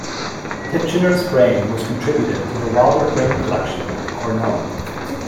Titchener's brain was contributed to the Wilder Brain Collection at Cornell.